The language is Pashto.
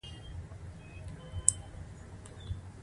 تیاره کله ځي؟